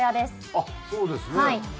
あっそうですね。